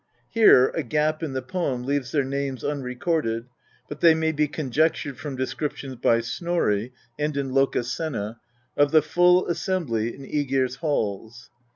Here a gap in the poem leaves their names unrecorded, but they may be conjectured troui descriptions by Snorri and in Lokasenna of the full assembly in ^Egir's halls.